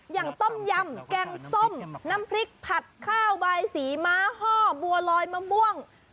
อย่างต้มยำแกงส้มน้ำพริกผัดข้าวใบสีม้าห้อบัวลอยมะม่วง